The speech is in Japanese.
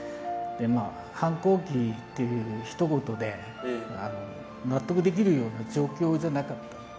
反抗期というひと言で納得できるような状況ではなかった。